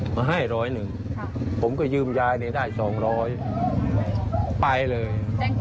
มาให้ร้อยหนึ่งผมก็ยืมยายได้๒๐๐ไปเลย